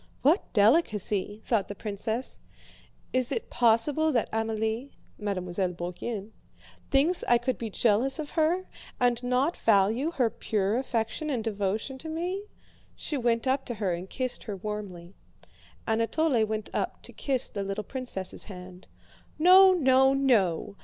"What delicacy!" thought the princess. "Is it possible that Amélie" (Mademoiselle Bourienne) "thinks I could be jealous of her, and not value her pure affection and devotion to me?" She went up to her and kissed her warmly. Anatole went up to kiss the little princess' hand. "No! No! No!